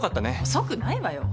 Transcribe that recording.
遅くないわよ。